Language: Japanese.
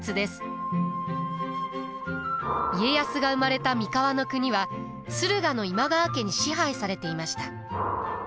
家康が生まれた三河国は駿河の今川家に支配されていました。